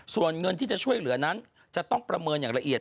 ส่วนเงินที่จะช่วยเหลือนั้นจะต้องประเมินอย่างละเอียด